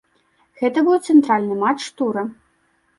Гэта быў цэнтральны матч тура.